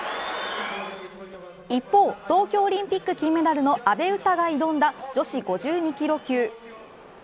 一方東京オリンピック金メダルの阿部詩が挑んだ女子５２キロ級。